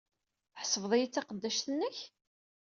Tḥesbed-iyi d taqeddact-nnek?